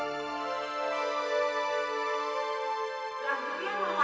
ya tak payah ma